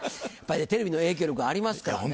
テレビの影響力ありますからね。